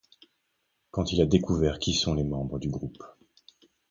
Quand il a découvert qui sont les membres du groupe.